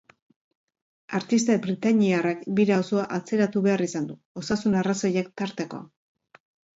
Artista britainiarrak bira osoa atzeratu behar izan du, osasun arrazoiak tarteko.